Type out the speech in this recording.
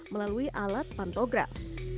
melalui alat pantograf